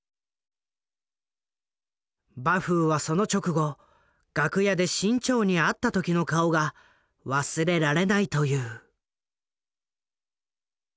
馬風はその直後楽屋で志ん朝に会った時の顔が忘れられないという。